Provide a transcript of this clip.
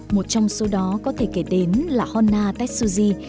một trong số đó có thể kể đến là honna tetsuji